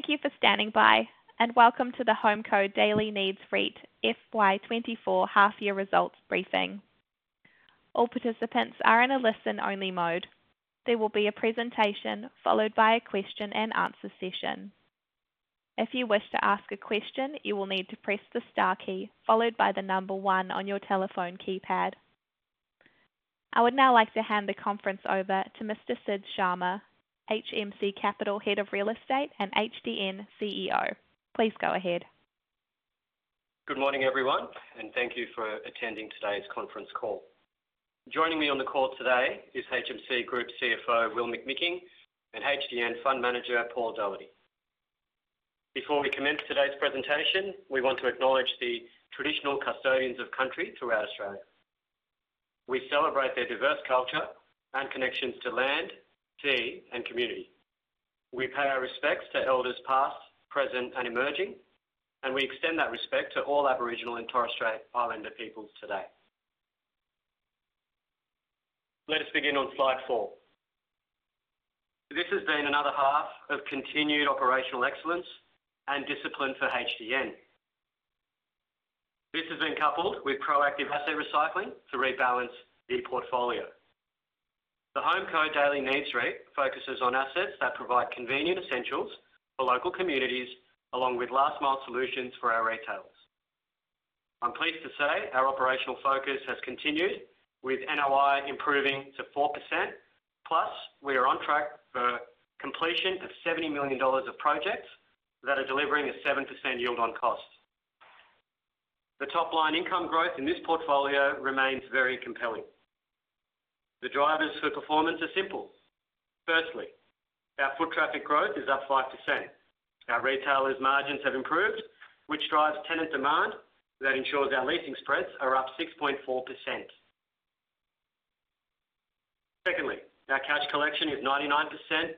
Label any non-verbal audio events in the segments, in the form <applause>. Thank you for standing by, and welcome to the HomeCo Daily Needs REIT FY24 half-year results briefing. All participants are in a listen-only mode. There will be a presentation followed by a question-and-answer session. If you wish to ask a question, you will need to press the star key followed by the number one on your telephone keypad. I would now like to hand the conference over to Mr. Sid Sharma, HMC Capital Head of Real Estate and HDN CEO. Please go ahead. Good morning, everyone, and thank you for attending today's conference call. Joining me on the call today is HMC Capital CFO, Will McMicking, and HDN Fund Manager, Paul Doherty. Before we commence today's presentation, we want to acknowledge the traditional custodians of country throughout Australia. We celebrate their diverse culture and connections to land, sea, and community. We pay our respects to elders past, present, and emerging, and we extend that respect to all Aboriginal and Torres Strait Islander peoples today. Let us begin on slide 4. This has been another half of continued operational excellence and discipline for HDN. This has been coupled with proactive asset recycling to rebalance the portfolio. The HomeCo Daily Needs REIT focuses on assets that provide convenient essentials for local communities along with last-mile solutions for our retailers. I'm pleased to say our operational focus has continued with NOI improving to 4%, plus we are on track for completion of 70 million dollars of projects that are delivering a 7% yield on cost. The top-line income growth in this portfolio remains very compelling. The drivers for performance are simple. Firstly, our foot traffic growth is up 5%. Our retailers' margins have improved, which drives tenant demand that ensures our leasing spreads are up 6.4%. Secondly, our cash collection is 99%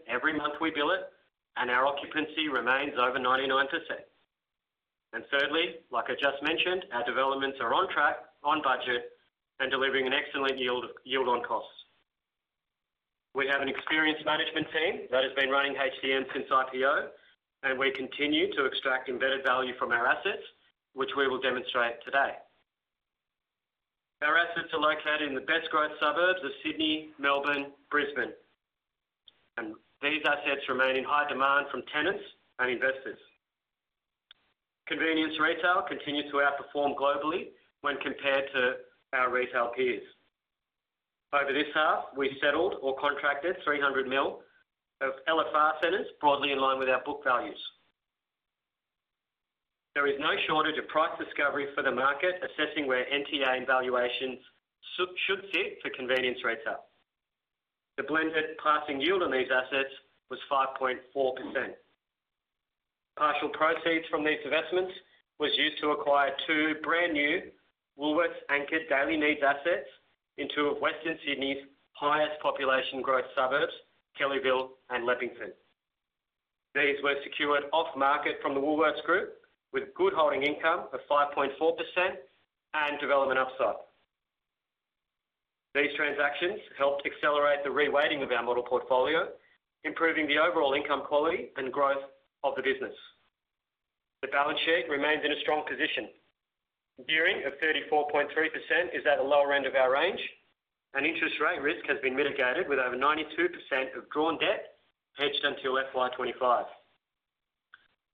every month we bill it, and our occupancy remains over 99%. And thirdly, like I just mentioned, our developments are on track, on budget, and delivering an excellent yield on costs. We have an experienced management team that has been running HDN since IPO, and we continue to extract embedded value from our assets, which we will demonstrate today. Our assets are located in the best-growth suburbs of Sydney, Melbourne, Brisbane, and these assets remain in high demand from tenants and investors. Convenience retail continues to outperform globally when compared to our retail peers. Over this half, we settled or contracted 300 million of LFR centers broadly in line with our book values. There is no shortage of price discovery for the market assessing where NTA valuations should sit for convenience retail. The blended passing yield on these assets was 5.4%. Partial proceeds from these investments were used to acquire two brand-new Woolworths-anchored daily needs assets in two of Western Sydney's highest population growth suburbs, Kellyville and Leppington. These were secured off-market from the Woolworths Group with good holding income of 5.4% and development upside. These transactions helped accelerate the reweighting of our model portfolio, improving the overall income quality and growth of the business. The balance sheet remains in a strong position. Gearing of 34.3% is at the lower end of our range, and interest rate risk has been mitigated with over 92% of drawn debt hedged until FY25.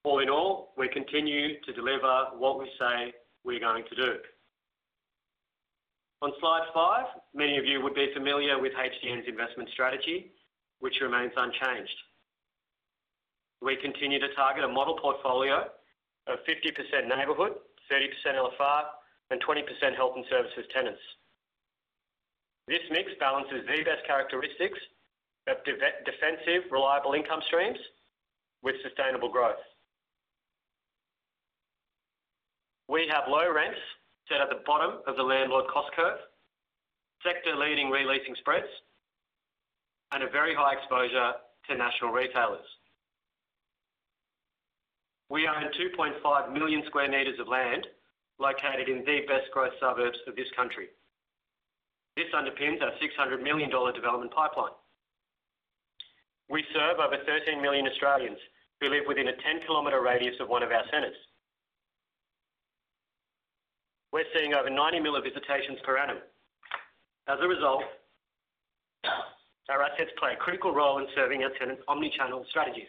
All in all, we continue to deliver what we say we're going to do. On slide 5, many of you would be familiar with HDN's investment strategy, which remains unchanged. We continue to target a model portfolio of 50% neighborhood, 30% LFR, and 20% health and services tenants. This mix balances the best characteristics of defensive, reliable income streams with sustainable growth. We have low rents set at the bottom of the landlord cost curve, sector-leading re-leasing spreads, and a very high exposure to national retailers. We own 2.5 million sq m of land located in the best-growth suburbs of this country. This underpins our 600 million dollar development pipeline. We serve over 13 million Australians who live within a 10-kilometer radius of one of our centers. We're seeing over 90 million of visitations per annum. As a result, our assets play a critical role in serving our tenants' omnichannel strategies.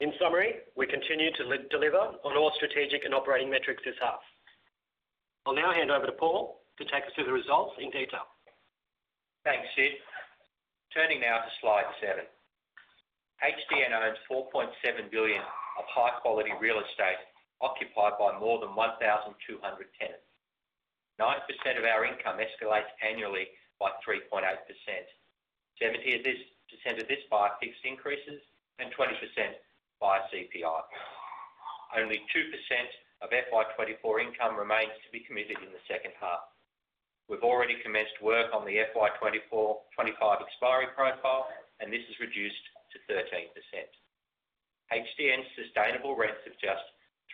In summary, we continue to deliver on all strategic and operating metrics this half. I'll now hand over to Paul to take us through the results in detail. Thanks, Sid. Turning now to slide 7. HDN owns 4.7 billion of high-quality real estate occupied by more than 1,200 tenants. 9% of our income escalates annually by 3.8%, 70% of this by fixed increases and 20% by CPI. Only 2% of FY24 income remains to be committed in the second half. We've already commenced work on the FY24/25 expiry profile, and this is reduced to 13%. HDN's sustainable rents of just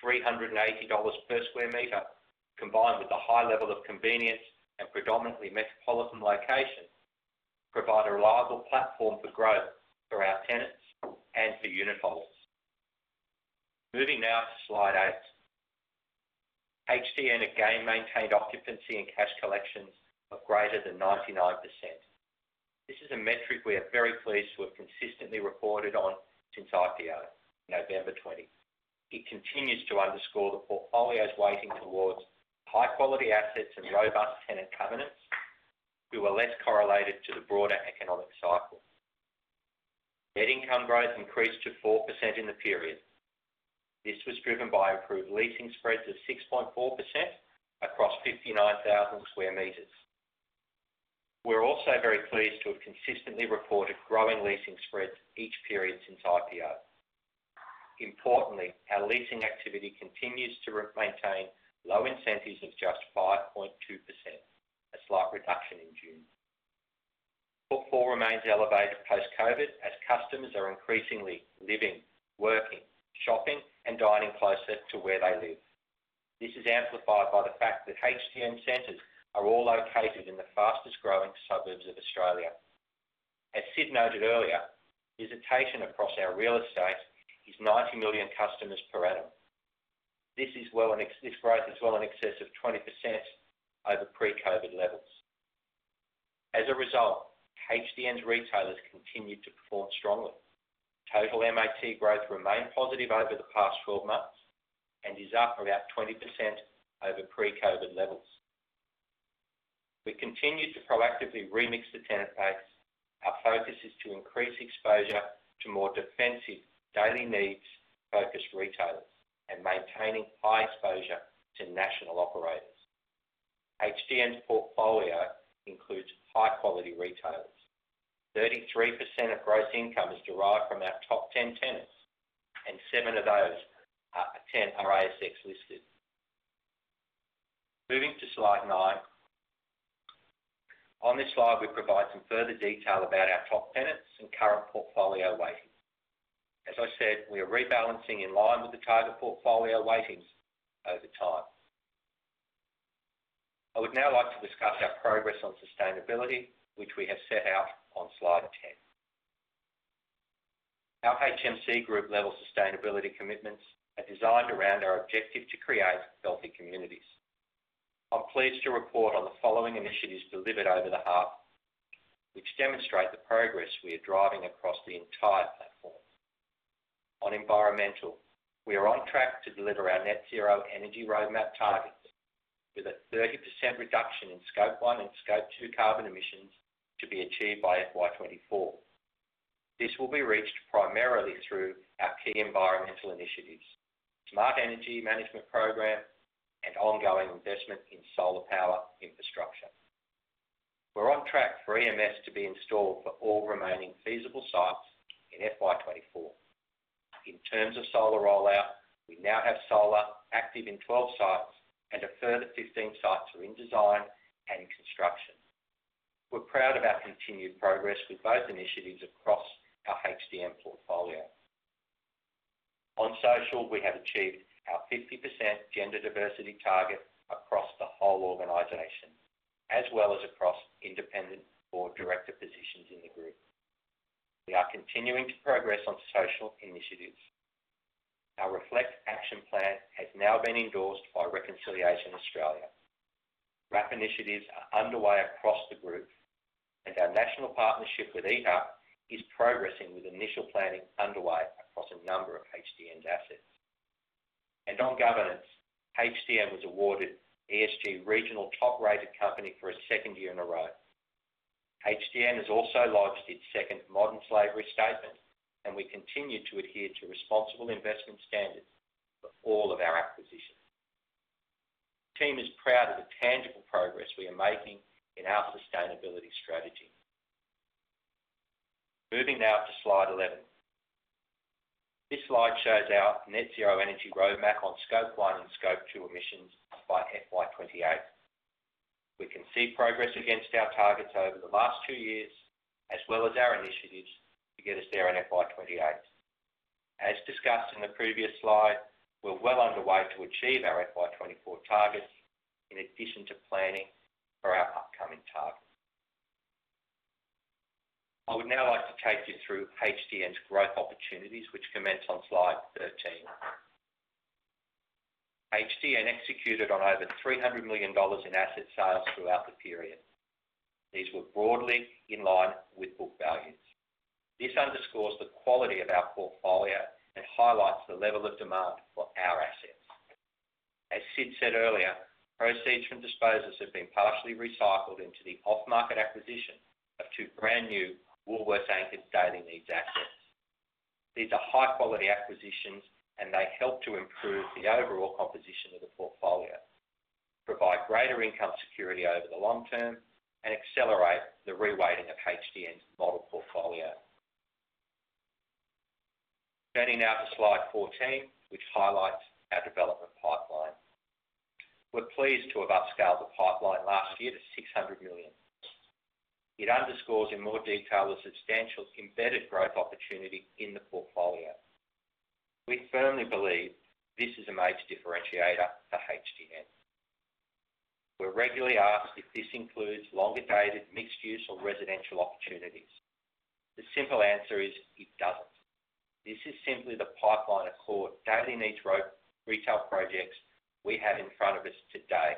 380 dollars per square meter, combined with the high level of convenience and predominantly metropolitan location, provide a reliable platform for growth for our tenants and for unit holders. Moving now to slide 8. HDN again maintained occupancy and cash collections of greater than 99%. This is a metric we are very pleased to have consistently reported on since IPO, November 2020. It continues to underscore the portfolio's weighting towards high-quality assets and robust tenant covenants who are less correlated to the broader economic cycle. Net income growth increased to 4% in the period. This was driven by improved leasing spreads of 6.4% across 59,000 sq m. We're also very pleased to have consistently reported growing leasing spreads each period since IPO. Importantly, our leasing activity continues to maintain low incentives of just 5.2%, a slight reduction in June. Footfall remains elevated post-COVID as customers are increasingly living, working, shopping, and dining closer to where they live. This is amplified by the fact that HDN centers are all located in the fastest-growing suburbs of Australia. As Sid noted earlier, visitation across our real estate is 90 million customers per annum. This growth is well in excess of 20% over pre-COVID levels. As a result, HDN's retailers continue to perform strongly. Total MAT growth remained positive over the past 12 months and is up about 20% over pre-COVID levels. We continue to proactively remix the tenant base. Our focus is to increase exposure to more defensive, daily needs-focused retailers and maintaining high exposure to national operators. HDN's portfolio includes high-quality retailers. 33% of gross income is derived from our top 10 tenants, and seven of those are ASX listed. Moving to slide 9. On this slide, we provide some further detail about our top tenants and current portfolio weighting. As I said, we are rebalancing in line with the target portfolio weightings over time. I would now like to discuss our progress on sustainability, which we have set out on slide 10. Our HMC Group-level sustainability commitments are designed around our objective to create healthy communities. I'm pleased to report on the following initiatives delivered over the half, which demonstrate the progress we are driving across the entire platform. On environmental, we are on track to deliver our net-zero energy roadmap targets with a 30% reduction in Scope 1 and Scope 2 carbon emissions to be achieved by FY24. This will be reached primarily through our key environmental initiatives, smart energy management program, and ongoing investment in solar power infrastructure. We're on track for EMS to be installed for all remaining feasible sites in FY24. In terms of solar rollout, we now have solar active in 12 sites, and a further 15 sites are in design and construction. We're proud of our continued progress with both initiatives across our HDN portfolio. On social, we have achieved our 50% gender diversity target across the whole organization, as well as across independent or director positions in the group. We are continuing to progress on social initiatives. Our Reconciliation Action Plan has now been endorsed by Reconciliation Australia. RAP initiatives are underway across the group, and our national partnership with Eat Up is progressing with initial planning underway across a number of HDN's assets. And on governance, HDN was awarded ESG Regional Top Rated Company for a second year in a row. HDN has also launched its second modern slavery statement, and we continue to adhere to responsible investment standards for all of our acquisitions. The team is proud of the tangible progress we are making in our sustainability strategy. Moving now to slide 11. This slide shows our net-zero energy roadmap on Scope 1 and Scope 2 emissions by FY28. We can see progress against our targets over the last two years, as well as our initiatives to get us there in FY28. As discussed in the previous slide, we're well underway to achieve our FY24 targets in addition to planning for our upcoming target. I would now like to take you through HDN's growth opportunities, which commence on slide 13. HDN executed on over 300 million dollars in asset sales throughout the period. These were broadly in line with book values. This underscores the quality of our portfolio and highlights the level of demand for our assets. As Sid said earlier, proceeds from disposals have been partially recycled into the off-market acquisition of two brand-new Woolworths-anchored daily needs assets. These are high-quality acquisitions, and they help to improve the overall composition of the portfolio, provide greater income security over the long term, and accelerate the reweighting of HDN's model portfolio. Turning now to slide 14, which highlights our development pipeline. We're pleased to have upscaled the pipeline last year to 600 million. It underscores in more detail the substantial embedded growth opportunity in the portfolio. We firmly believe this is a major differentiator for HDN. We're regularly asked if this includes longer-dated mixed-use or residential opportunities. The simple answer is it doesn't. This is simply the pipeline of core daily needs retail projects we have in front of us today.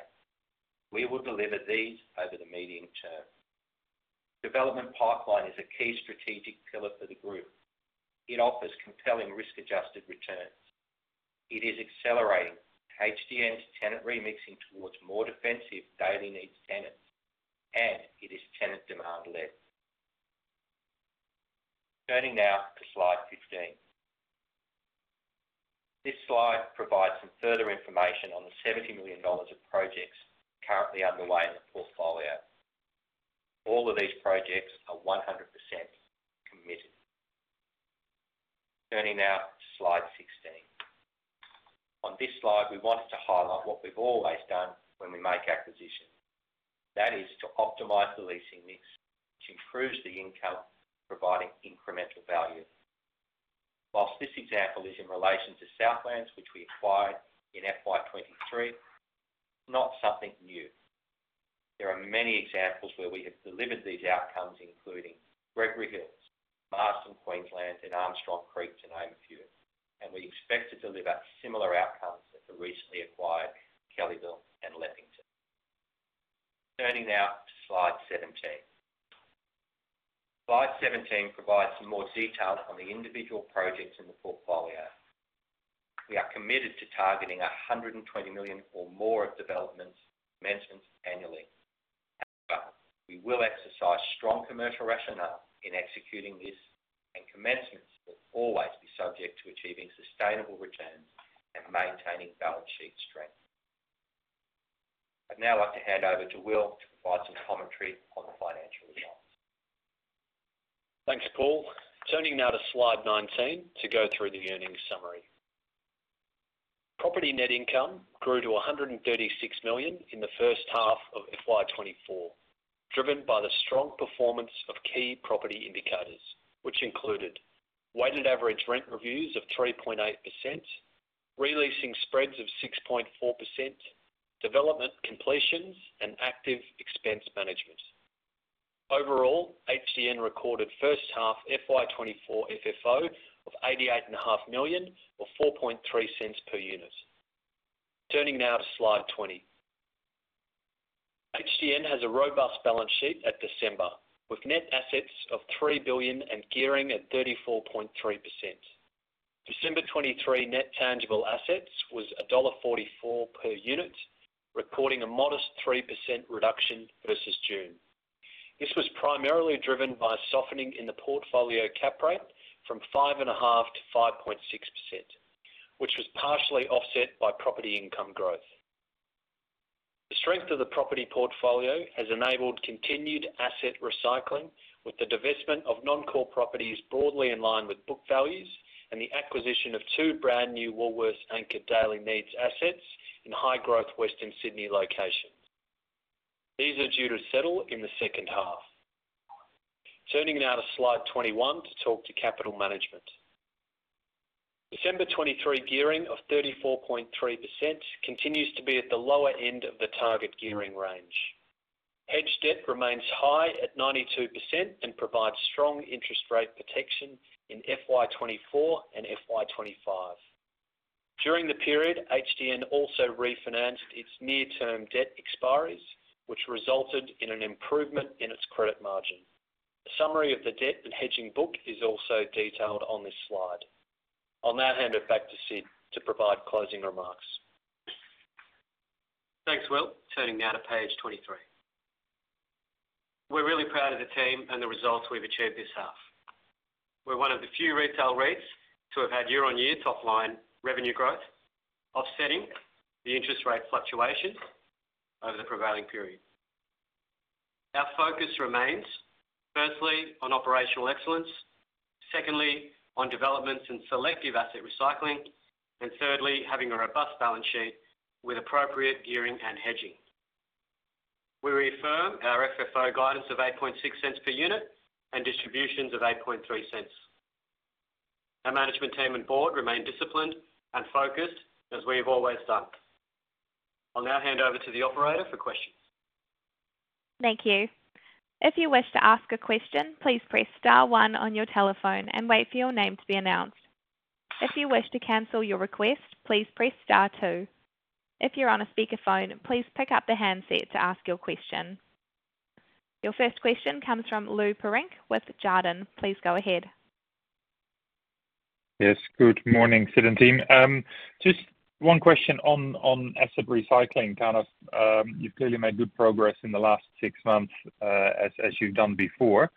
We will deliver these over the medium term. Development pipeline is a key strategic pillar for the group. It offers compelling risk-adjusted returns. It is accelerating HDN's tenant remixing towards more defensive daily needs tenants, and it is tenant demand-led. Turning now to slide 15. This slide provides some further information on the 70 million dollars of projects currently underway in the portfolio. All of these projects are 100% committed. Turning now to slide 16. On this slide, we wanted to highlight what we've always done when we make acquisitions. That is to optimize the leasing mix, which improves the income providing incremental value. While this example is in relation to Southlands, which we acquired in FY23, it's not something new. There are many examples where we have delivered these outcomes, including Gregory Hills, Marsden, Queensland, and Armstrong Creek to name a few. We expect to deliver similar outcomes at the recently acquired Kellyville and Leppington. Turning now to slide 17. Slide 17 provides some more detail on the individual projects in the portfolio. We are committed to targeting 120 million or more of development commencements annually. However, we will exercise strong commercial rationale in executing this, and commencements will always be subject to achieving sustainable returns and maintaining balance sheet strength. I'd now like to hand over to Will to provide some commentary on the financial results. Thanks, Paul. Turning now to slide 19 to go through the earnings summary. Property net income grew to 136 million in the first half of FY24, driven by the strong performance of key property indicators, which included weighted average rent reviews of 3.8%, re-leasing spreads of 6.4%, development completions, and active expense management. Overall, HDN recorded first half FY24 FFO of 88.5 million or 0.043 per unit. Turning now to slide 20. HDN has a robust balance sheet at December with net assets of 3 billion and gearing at 34.3%. December 2023 net tangible assets was dollar 1.44 per unit, recording a modest 3% reduction versus June. This was primarily driven by a softening in the portfolio cap rate from 5.5% to 5.6%, which was partially offset by property income growth. The strength of the property portfolio has enabled continued asset recycling with the divestment of non-core properties broadly in line with book values and the acquisition of two brand-new Woolworths-anchored daily needs assets in high-growth Western Sydney locations. These are due to settle in the second half. Turning now to slide 21 to talk to capital management. December 23 gearing of 34.3% continues to be at the lower end of the target gearing range. Hedge debt remains high at 92% and provides strong interest rate protection in FY24 and FY25. During the period, HDN also refinanced its near-term debt expiries, which resulted in an improvement in its credit margin. A summary of the debt and hedging book is also detailed on this slide. I'll now hand it back to Sid to provide closing remarks. Thanks, Will. Turning now to page 23. We're really proud of the team and the results we've achieved this half. We're one of the few retail REITs to have had year-on-year top-line revenue growth offsetting the interest rate fluctuations over the prevailing period. Our focus remains, firstly, on operational excellence, secondly, on developments and selective asset recycling, and thirdly, having a robust balance sheet with appropriate gearing and hedging. We reaffirm our FFO guidance of 0.086 per unit and distributions of 0.083. Our management team and board remain disciplined and focused, as we have always done. I'll now hand over to the operator for questions. Thank you. If you wish to ask a question, please press star one on your telephone and wait for your name to be announced. If you wish to cancel your request, please press star two. If you're on a speakerphone, please pick up the handset to ask your question. Your first question comes from Lou Pirenc with Jarden. Please go ahead. Yes. Good morning, Sid and team. Just one question on asset recycling. You've clearly made good progress in the last six months as you've done before.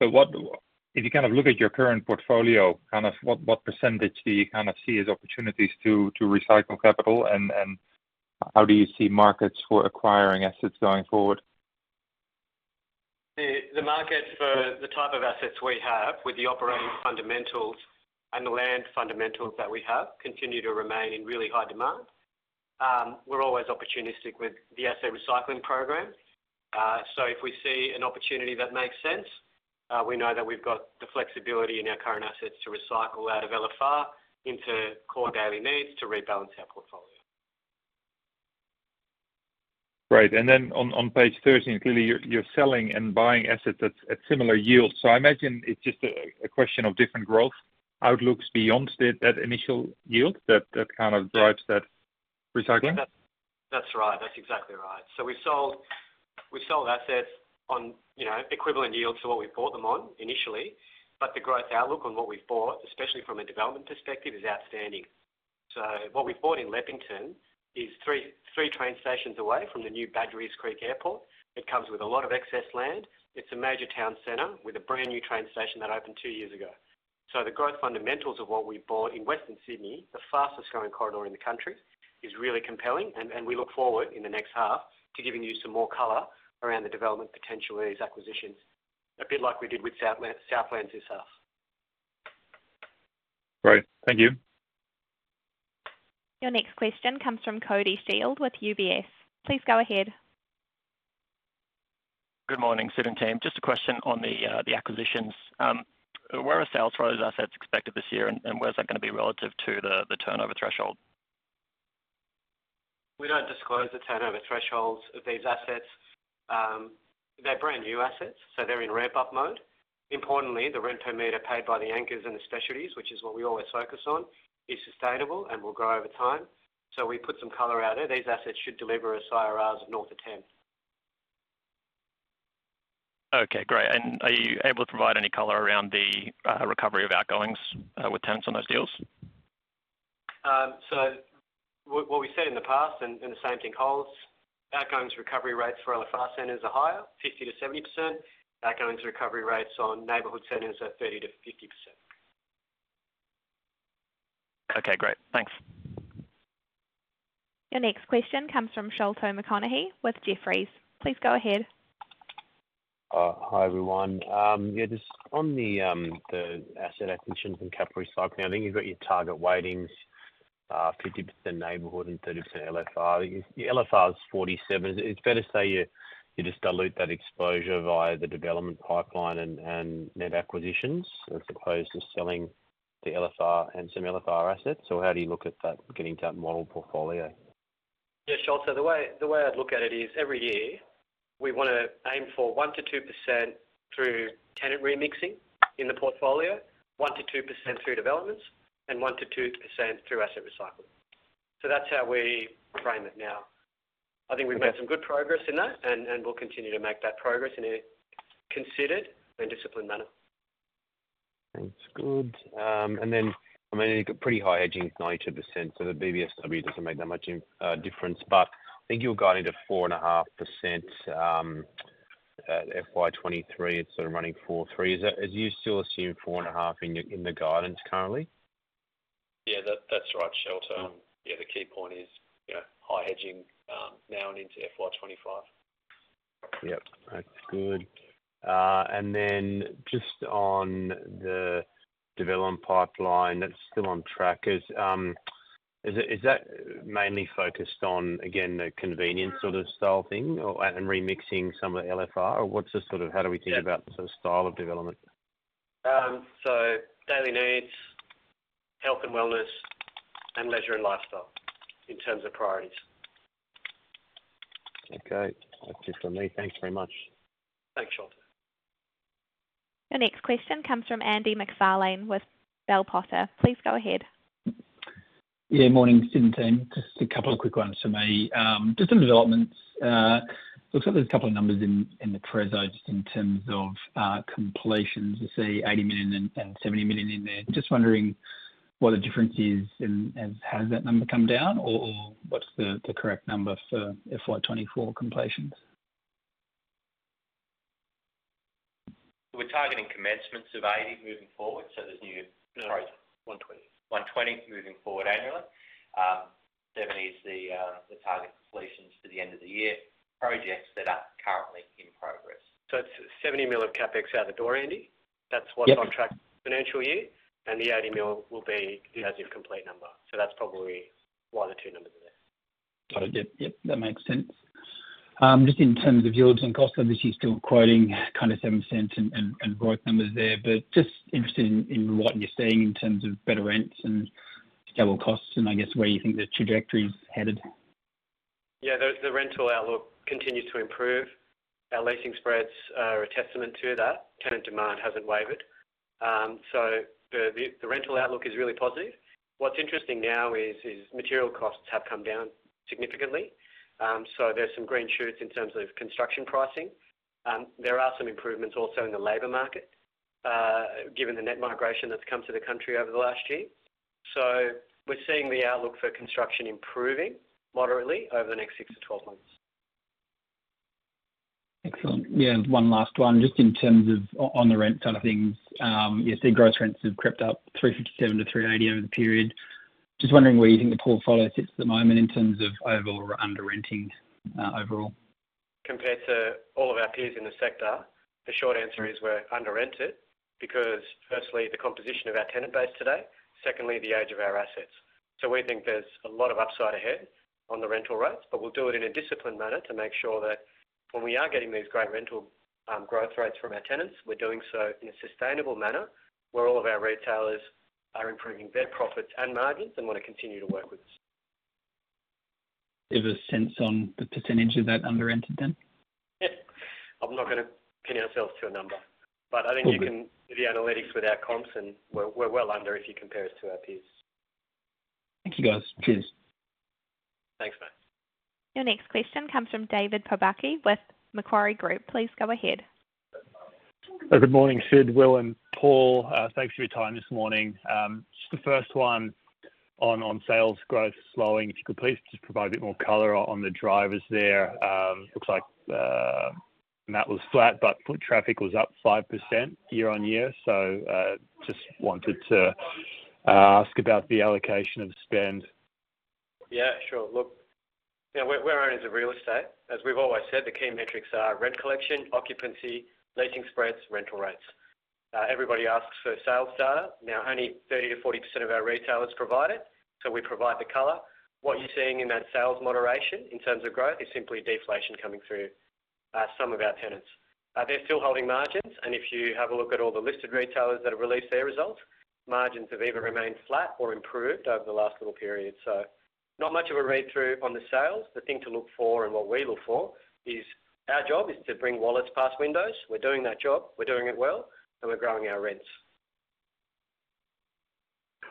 But if you kind of look at your current portfolio, kind of what percentage do you kind of see as opportunities to recycle capital, and how do you see markets for acquiring assets going forward? The markets for the type of assets we have, with the operating fundamentals and the land fundamentals that we have, continue to remain in really high demand. We're always opportunistic with the asset recycling program. If we see an opportunity that makes sense, we know that we've got the flexibility in our current assets to recycle out of LFR into core daily needs to rebalance our portfolio. Great. Then on page 13, clearly, you're selling and buying assets at similar yields. So I imagine it's just a question of different growth outlooks beyond that initial yield that kind of drives that recycling? That's right. That's exactly right. So we sold assets on equivalent yields to what we bought them on initially, but the growth outlook on what we've bought, especially from a development perspective, is outstanding. So what we bought in Leppington is three train stations away from the new Badgerys Creek Airport. It comes with a lot of excess land. It's a major town centre with a brand-new train station that opened two years ago. So the growth fundamentals of what we bought in Western Sydney, the fastest-growing corridor in the country, is really compelling, and we look forward in the next half to giving you some more colour around the development potential of these acquisitions, a bit like we did with Southlands this half. Great. Thank you. Your next question comes from Cody Shield with UBS. Please go ahead. Good morning, Sid and team. Just a question on the acquisitions. Where are sales for those assets expected this year, and where's that going to be relative to the turnover threshold? We don't disclose the turnover thresholds of these assets. They're brand-new assets, so they're in ramp-up mode. Importantly, the rent per meter paid by the anchors and the specialties, which is what we always focus on, is sustainable and will grow over time. So we put some color out there. These assets should deliver a IRR of north of 10%. Okay. Great. Are you able to provide any color around the recovery of outgoings with tenants on those deals? What we said in the past, and the same thing holds, outgoings recovery rates for LFR centers are higher, 50%-70%. Outgoings recovery rates on neighborhood centers are 30%-50%. Okay. Great. Thanks. Your next question comes from Sholto Maconochie with Jefferies. Please go ahead. Hi, everyone. Yeah, just on the asset acquisitions and cap recycling, I think you've got your target weightings, 50% neighborhood and 30% LFR. LFR's 47%. Is it better to say you just dilute that exposure via the development pipeline and net acquisitions as opposed to selling the LFR and some LFR assets? Or how do you look at getting to that model portfolio? Yeah, Sholto, the way I'd look at it is every year, we want to aim for 1%-2% through tenant remixing in the portfolio, 1%-2% through developments, and 1%-2% through asset recycling. So that's how we frame it now. I think we've made some good progress in that, and we'll continue to make that progress in a considered and disciplined manner. Thanks. Good. And then, I mean, you've got pretty high hedging, 92%, so the BBSW doesn't make that much difference. But I think you were guiding to 4.5% at FY23. It's sort of running 4.3. Do you still assume 4.5 in the guidance currently? Yeah, that's right, Sholto. Yeah, the key point is high hedging now and into FY25. Yep. That's good. And then just on the development pipeline, that's still on track. Is that mainly focused on, again, the convenience sort of style thing and remixing some of the LFR? Or what's the sort of how do we think about the sort of style of development? Daily needs, health and wellness, and leisure and lifestyle in terms of priorities. Okay. That's it from me. Thanks very much. Thanks, Sholto. Your next question comes from Andy MacFarlane with Bell Potter. Please go ahead. Yeah, morning, Sid and team. Just a couple of quick ones from me. Just on developments, looks like there's a couple of numbers in the <inaudible> just in terms of completions. I see 80 million and 70 million in there. Just wondering what the difference is, and has that number come down, or what's the correct number for FY2024 completions? We're targeting commencements of 80 moving forward, so there's new. No. Sorry. 120. 120 moving forward annually. 70 is the target completions to the end of the year. Projects that are currently in progress. So it's 70 million of CapEx out the door, Andy? That's what's on track for the financial year, and the 80 million will be the as-of-complete number. So that's probably why the two numbers are there. Got it. Yep. Yep. That makes sense. Just in terms of yields and costs, obviously, you're still quoting kind of 0.07 and growth numbers there. But just interested in what you're seeing in terms of better rents and stable costs and, I guess, where you think the trajectory's headed. Yeah, the rental outlook continues to improve. Our leasing spreads are a testament to that. Tenant demand hasn't wavered. So the rental outlook is really positive. What's interesting now is material costs have come down significantly, so there's some green shoots in terms of construction pricing. There are some improvements also in the labor market given the net migration that's come to the country over the last year. So we're seeing the outlook for construction improving moderately over the next six-12 months. Excellent. Yeah, one last one. Just in terms of on the rent side of things, yeah, see growth rents have crept up 357-380 over the period. Just wondering where you think the portfolio sits at the moment in terms of overall or under-renting overall. Compared to all of our peers in the sector, the short answer is we're under-rented because, firstly, the composition of our tenant base today, secondly, the age of our assets. So we think there's a lot of upside ahead on the rental rates, but we'll do it in a disciplined manner to make sure that when we are getting these great rental growth rates from our tenants, we're doing so in a sustainable manner where all of our retailers are improving their profits and margins and want to continue to work with us. Do you have a sense on the percentage of that under-rented then? Yeah. I'm not going to pin ourselves to a number, but I think you can do the analytics without comps, and we're well under if you compare us to our peers. Thank you, guys. Cheers. Thanks, mate. Your next question comes from David Pobucky with Macquarie Group. Please go ahead. Good morning, Sid, Will, and Paul. Thanks for your time this morning. Just the first one on sales growth slowing, if you could please just provide a bit more color on the drivers there. Looks like that was flat, but foot traffic was up 5% year-on-year. So just wanted to ask about the allocation of spend. Yeah, sure. Look, yeah, we're owners of real estate. As we've always said, the key metrics are rent collection, occupancy, leasing spreads, rental rates. Everybody asks for sales data. Now, only 30%-40% of our retailers provide it, so we provide the color. What you're seeing in that sales moderation in terms of growth is simply deflation coming through some of our tenants. They're still holding margins, and if you have a look at all the listed retailers that have released their results, margins have either remained flat or improved over the last little period. So not much of a read-through on the sales. The thing to look for and what we look for is our job is to bring wallets past windows. We're doing that job. We're doing it well, and we're growing our rents.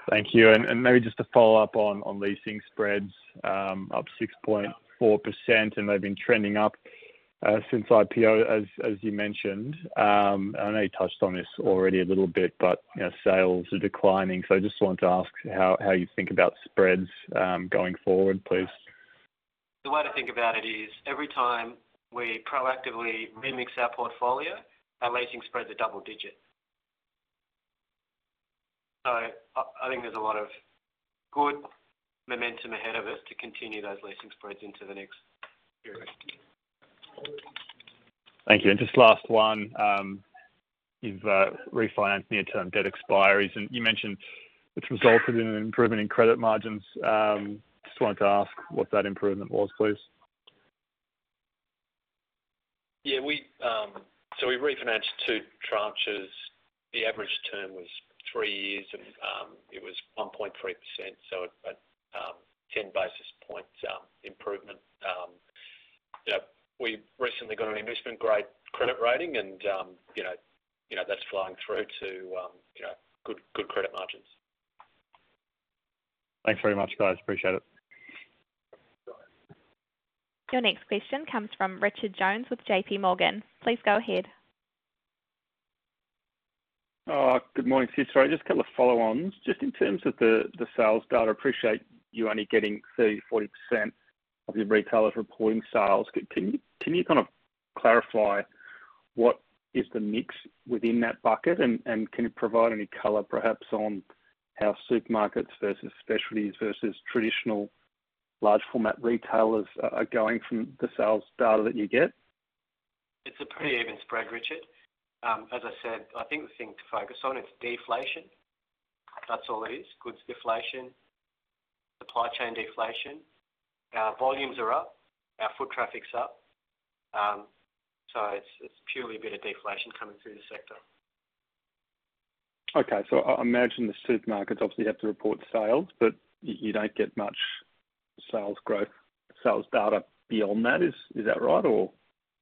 Thank you. Maybe just to follow up on leasing spreads, up 6.4%, and they've been trending up since IPO, as you mentioned. I know you touched on this already a little bit, but sales are declining. I just wanted to ask how you think about spreads going forward, please? The way to think about it is every time we proactively remix our portfolio, our leasing spreads are double-digit. So I think there's a lot of good momentum ahead of us to continue those leasing spreads into the next period. Thank you. And just last one. You've refinanced near-term debt expiries, and you mentioned it's resulted in an improvement in credit margins. Just wanted to ask what that improvement was, please. Yeah. So we refinanced two tranches. The average term was three years, and it was 1.3%, so a 10 basis points improvement. We recently got an investment-grade credit rating, and that's flowing through to good credit margins. Thanks very much, guys. Appreciate it. Your next question comes from Richard Jones with JPMorgan. Please go ahead. Good morning, Sid. Sorry, just a couple of follow-ons. Just in terms of the sales data, appreciate you only getting 30%-40% of your retailers reporting sales. Can you kind of clarify what is the mix within that bucket, and can you provide any color, perhaps, on how supermarkets versus specialties versus traditional large-format retailers are going from the sales data that you get? It's a pretty even spread, Richard. As I said, I think the thing to focus on, it's deflation. That's all it is. Goods deflation, supply chain deflation. Our volumes are up. Our foot traffic's up. So it's purely a bit of deflation coming through the sector. Okay. So I imagine the supermarkets obviously have to report sales, but you don't get much sales growth, sales data beyond that. Is that right, or?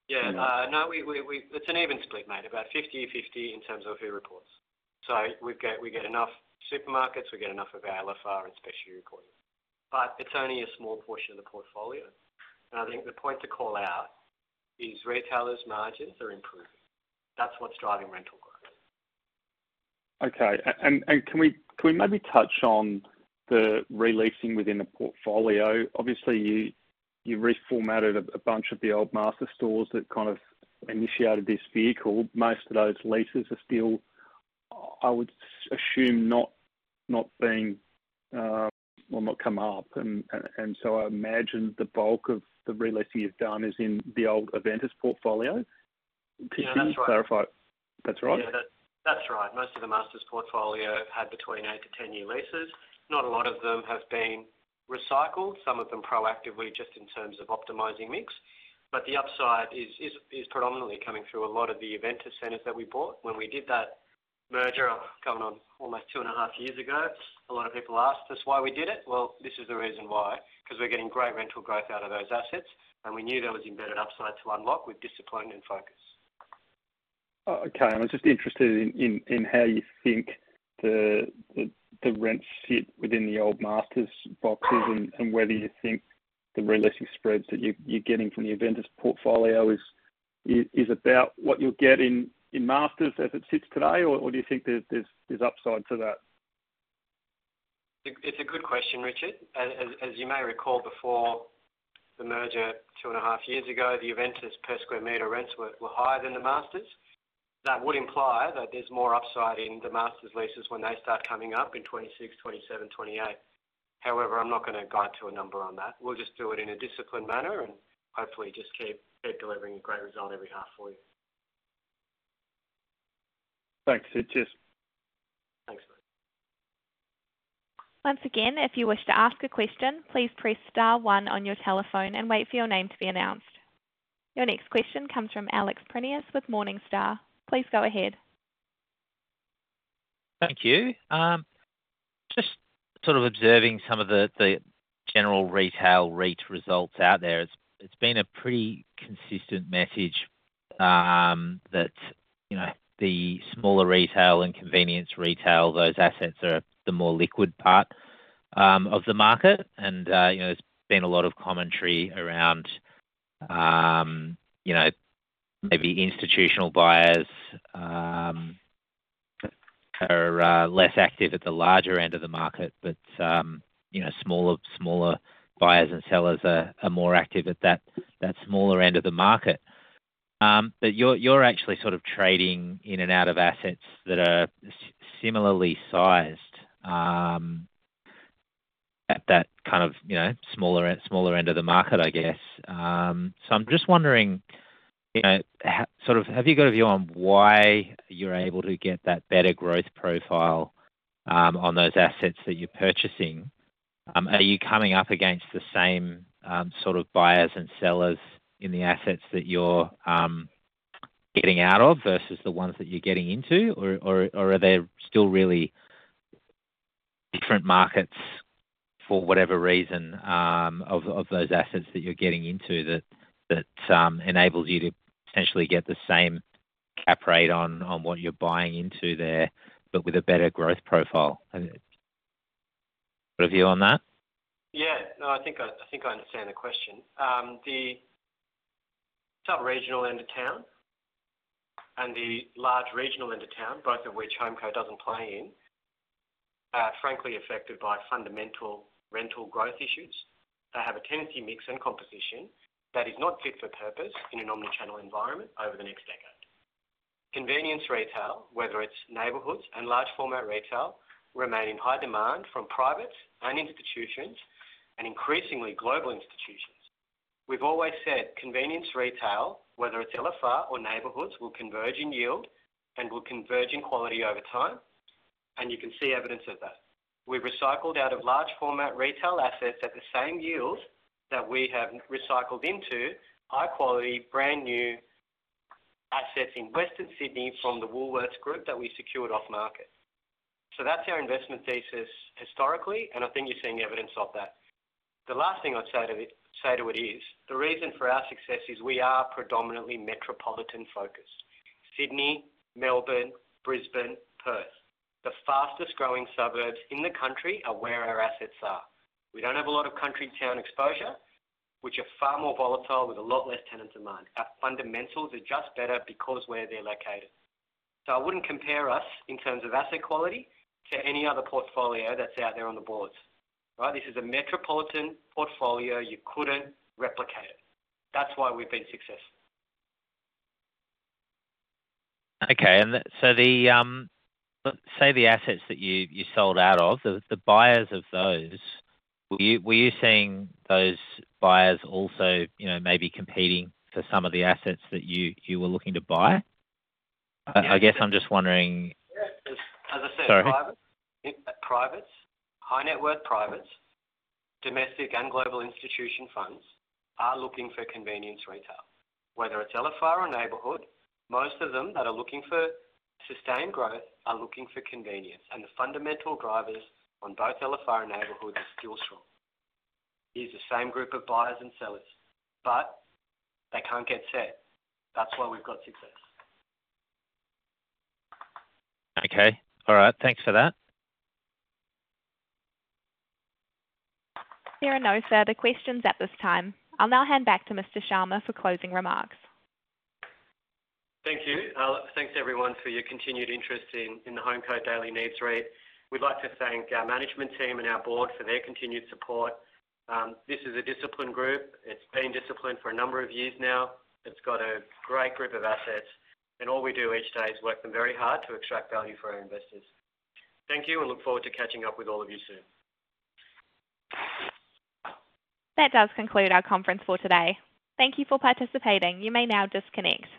Yeah. No, it's an even split, mate, about 50/50 in terms of who reports. So we get enough supermarkets. We get enough of our LFR and specialty reporting. But it's only a small portion of the portfolio. And I think the point to call out is retailers' margins are improving. That's what's driving rental growth. Okay. And can we maybe touch on the re-leasing within the portfolio? Obviously, you reformatted a bunch of the old Masters stores that kind of initiated this vehicle. Most of those leases are still, I would assume, not, well, not come up. And so I imagine the bulk of the re-leasing you've done is in the old Aventus portfolio. Yeah, that's right. Can you clarify? That's right? Yeah, that's right. Most of the Masters portfolio had between eight-10-year leases. Not a lot of them have been recycled, some of them proactively just in terms of optimizing mix. But the upside is predominantly coming through a lot of the Aventus centers that we bought. When we did that merger coming on almost 2.5 years ago, a lot of people asked us why we did it. Well, this is the reason why, because we're getting great rental growth out of those assets, and we knew there was embedded upside to unlock with discipline and focus. Okay. I was just interested in how you think the rents sit within the old Masters boxes and whether you think the re-leasing spreads that you're getting from the Aventus portfolio is about what you'll get in Masters as it sits today, or do you think there's upside to that? It's a good question, Richard. As you may recall, before the merger two and a half years ago, the Aventus per square meter rents were higher than the Masters. That would imply that there's more upside in the Masters' leases when they start coming up in 2026, 2027, 2028. However, I'm not going to guide to a number on that. We'll just do it in a disciplined manner and hopefully just keep delivering a great result every half-year. Thanks, Sid. Cheers. Thanks, mate. Once again, if you wish to ask a question, please press star one on your telephone and wait for your name to be announced. Your next question comes from Alex Prineas with Morningstar. Please go ahead. Thank you. Just sort of observing some of the general retail REIT results out there, it's been a pretty consistent message that the smaller retail and convenience retail, those assets are the more liquid part of the market. There's been a lot of commentary around maybe institutional buyers are less active at the larger end of the market, but smaller buyers and sellers are more active at that smaller end of the market. You're actually sort of trading in and out of assets that are similarly sized at that kind of smaller end of the market, I guess. I'm just wondering, sort of have you got a view on why you're able to get that better growth profile on those assets that you're purchasing? Are you coming up against the same sort of buyers and sellers in the assets that you're getting out of versus the ones that you're getting into, or are there still really different markets for whatever reason of those assets that you're getting into that enables you to potentially get the same cap rate on what you're buying into there but with a better growth profile? Got a view on that? Yeah. No, I think I understand the question. The subregional end of town and the large regional end of town, both of which HomeCo doesn't play in, are frankly affected by fundamental rental growth issues. They have a tenancy mix and composition that is not fit for purpose in an omnichannel environment over the next decade. Convenience retail, whether it's neighborhoods and large-format retail, remain in high demand from private and institutions and increasingly global institutions. We've always said convenience retail, whether it's LFR or neighborhoods, will converge in yield and will converge in quality over time, and you can see evidence of that. We've recycled out of large-format retail assets at the same yields that we have recycled into high-quality, brand-new assets in Western Sydney from the Woolworths Group that we secured off-market. So that's our investment thesis historically, and I think you're seeing evidence of that. The last thing I'd say to it is the reason for our success is we are predominantly metropolitan-focused: Sydney, Melbourne, Brisbane, Perth. The fastest-growing suburbs in the country are where our assets are. We don't have a lot of country-town exposure, which are far more volatile with a lot less tenant demand. Our fundamentals are just better because of where they're located. So I wouldn't compare us in terms of asset quality to any other portfolio that's out there on the boards, right? This is a metropolitan portfolio. You couldn't replicate it. That's why we've been successful. Okay. And so say the assets that you sold out of, the buyers of those, were you seeing those buyers also maybe competing for some of the assets that you were looking to buy? I guess I'm just wondering. Yeah. As I said, privates, high-net-worth privates, domestic and global institutional funds are looking for convenience retail. Whether it's LFR or neighborhood, most of them that are looking for sustained growth are looking for convenience, and the fundamental drivers on both LFR and neighborhoods are still strong. It's the same group of buyers and sellers, but they can't get set. That's why we've got success. Okay. All right. Thanks for that. There are no further questions at this time. I'll now hand back to Mr. Sharma for closing remarks. Thank you. Thanks, everyone, for your continued interest in the HomeCo Daily Needs REIT. We'd like to thank our management team and our board for their continued support. This is a disciplined group. It's been disciplined for a number of years now. It's got a great group of assets, and all we do each day is work them very hard to extract value for our investors. Thank you, and look forward to catching up with all of you soon. That does conclude our conference for today. Thank you for participating. You may now disconnect.